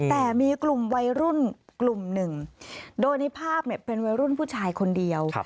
แต่มีกลุ่มวัยรุ่นกลุ่มหนึ่งโดยในภาพเป็นวัยรุ่นผู้ชายคนเดียว